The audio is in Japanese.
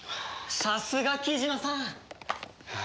さすが雉野さん！